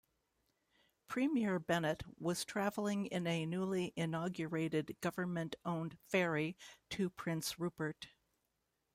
Premier Bennett was travelling in a newly inaugurated government-owned ferry to Prince Rupert.